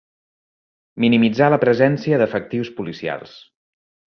Minimitzar la presència d'efectius policials.